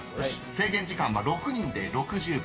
制限時間は６人で６０秒］